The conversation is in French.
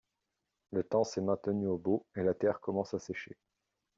Le temps s’est maintenu au beau et la terre commence à sécher.